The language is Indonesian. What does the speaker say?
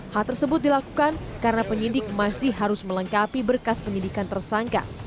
hal tersebut dilakukan karena penyidik masih harus melengkapi berkas penyidikan tersangka